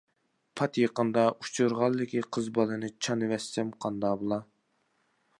! پات يېقىندا ئۇچرىغانلىكى قىز بالىنى چانىۋەتسەم قاندا بولا!